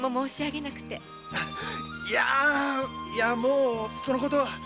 いやあいやもうそのことは。